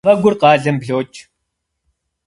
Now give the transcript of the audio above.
Мафӏэгур къалэм блокӏ.